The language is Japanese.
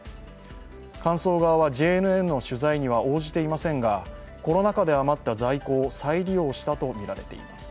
神宗側はＪＮＮの取材には応じていませんがコロナ禍で余った在庫を再利用したとみられています。